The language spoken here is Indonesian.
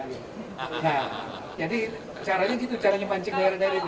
nah jadi caranya gitu caranya pancik daerah daerah itu